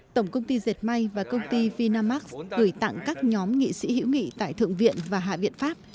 tổng công ty dệt may và công ty vinamax gửi tặng các nhóm nghị sĩ hữu nghị tại thượng viện và hạ viện pháp